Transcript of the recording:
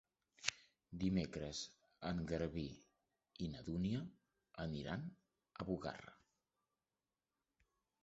Dimecres en Garbí i na Dúnia aniran a Bugarra.